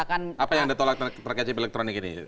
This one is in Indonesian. apa yang ditolak pakai chip elektronik ini